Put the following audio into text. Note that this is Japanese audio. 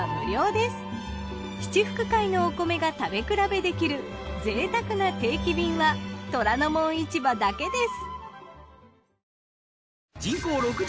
七福会のお米が食べ比べできるぜいたくな定期便は『虎ノ門市場』だけです。